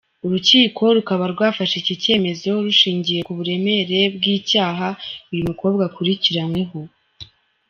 Urukiko rukaba rwafashe iki cyemezo rushingiye ku buremere bw’icyaha uyu mukobwa akurikiranyweho.